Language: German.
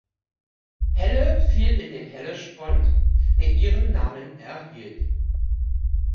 Helle fiel in den Hellespont, der ihren Namen erhielt.